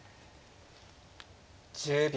１０秒。